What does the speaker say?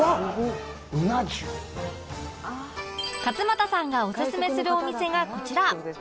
勝俣さんがおすすめするお店がこちら